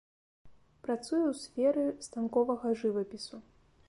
Працуе ў сферы станковага жывапісу.